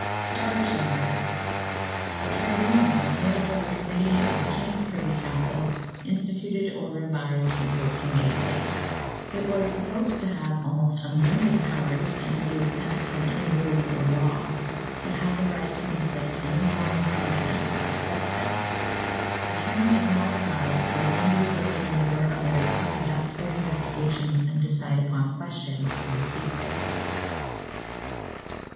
=Star Chamber.= A tribunal, made up of a committee of the King's Privy Council, instituted or revived in 1486. It was supposed to have almost unlimited powers and to be exempt from any rules or law. It had the right to inflict any form of punishment except death. The term is now applied to assemblies or committees or others who conduct their investigations and decide upon questions in secret.